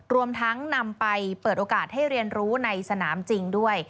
รวมทั้งนำไปเปิดโอกาสให้เรียนรู้ในสนามจริงด้วย